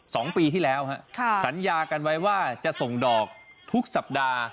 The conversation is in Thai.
สองปีที่แล้วฮะค่ะสัญญากันไว้ว่าจะส่งดอกทุกสัปดาห์